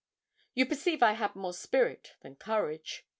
You perceive I had more spirit than courage.